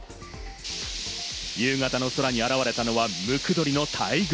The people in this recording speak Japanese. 夕方の空に現れたのはムクドリの大群。